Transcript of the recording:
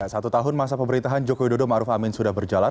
satu tahun masa pemerintahan jokowi dodo ma'ruf amin sudah berjalan